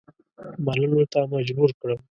منلو ته مجبور کړم.